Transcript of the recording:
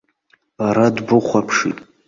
Бара дбыхәаԥшит.